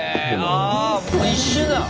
あ一瞬だ。